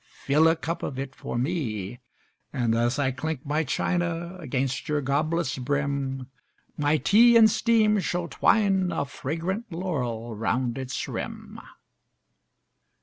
Fill a cup of it for me! And, as I clink my china Against your goblet's brim, My tea in steam shall twine a Fragrant laurel round its rim.